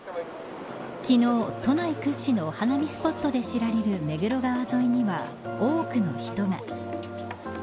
昨日、都内屈指のお花見スポットで知られる目黒川沿いには多くの人が。